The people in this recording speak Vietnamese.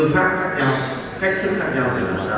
cách thức khác nhau